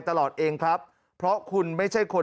ตลอดเองครับเพราะคุณไม่ใช่คน